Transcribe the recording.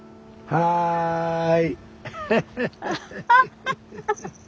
はい。